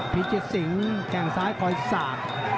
พีชสิงแก่งซ้ายคอยสาก